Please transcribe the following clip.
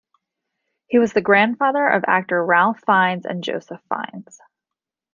He was the grandfather of actors Ralph Fiennes and Joseph Fiennes.